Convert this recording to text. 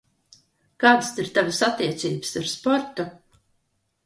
Kādas ir Tavas attiecības ar sportu?